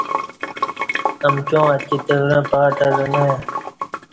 امکیاں اتکی تورں پاتلہ نہ آئی۔